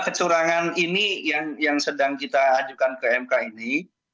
kecurangan ini yang sedang kita ajukan ke mk ini